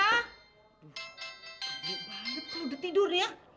pemuk banget kamu udah tidur ya